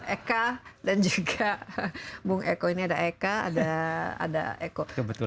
eka dan juga bung eko ini ada eka ada eko